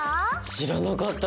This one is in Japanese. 知らなかった！